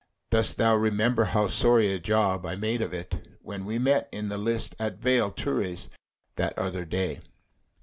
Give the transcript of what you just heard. Dost thou remember how sorry a job I made of it, when we met in the lists at Vale Turris that other day?"